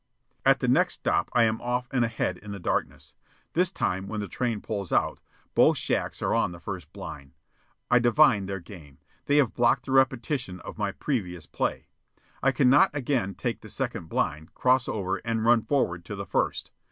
At the next stop I am off and ahead in the darkness. This time, when the train pulls out, both shacks are on the first blind. I divine their game. They have blocked the repetition of my previous play. I cannot again take the second blind, cross over, and run forward to the first.